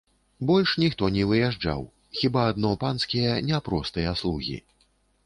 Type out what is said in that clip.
Больш ніхто не выязджаў, хіба адно панскія, не простыя, слугі.